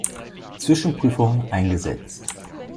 Zwischenprüfung eingesetzt.